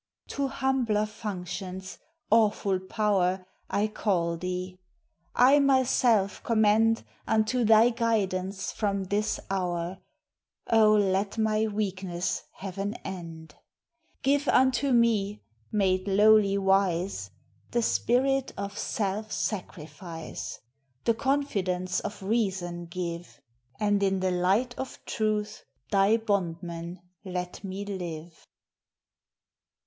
To humbler functions, awful power! I call thee: I myself commend Unto thy guidance from this hour; Oh, let my weakness have an end! 280 THE HIGHER LIFE. Give unto me, made lowly wise, The spirit of self sacrifice ; The confidence of reason give ; And in the light of truth thy bondman let me live!